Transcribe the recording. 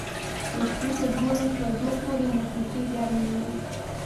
د شپې تر دولس بجو پورې مو کیسې ګرمې وې.